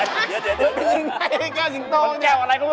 เดี๋ยว